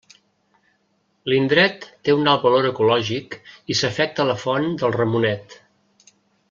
L'indret té un alt valor ecològic i s'afecta la font del Ramonet.